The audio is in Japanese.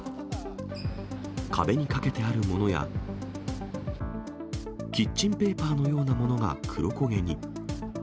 壁にかけてあるものや、キッチンペーパーのようなものが黒焦げに。